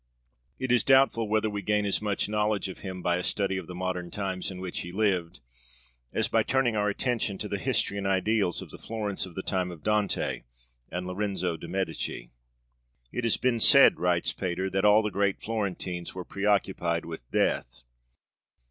It is doubtful whether we gain as much knowledge of him by a study of the modern times in which he lived, as by turning our attention to the history and ideals of the Florence of the time of Dante and Lorenzo de' Medici. 'It has been said,' writes Pater, 'that all the great Florentines were preoccupied with death.